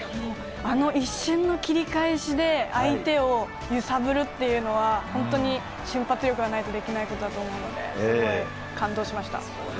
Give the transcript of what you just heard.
あの一瞬の切り返しで相手を揺さぶるっていうのは本当に瞬発力がないとできないことだと思うのですごい感動しました。